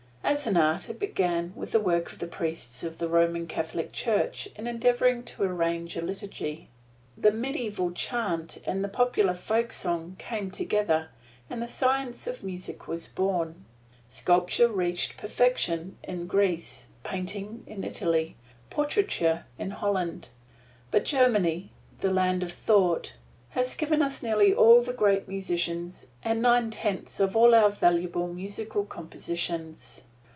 As an art it began with the work of the priests of the Roman Catholic Church in endeavoring to arrange a liturgy. The medieval chant and the popular folk song came together, and the science of music was born. Sculpture reached perfection in Greece, painting in Italy, portraiture in Holland; but Germany, the land of thought, has given us nearly all the great musicians and nine tenths of all our valuable musical compositions.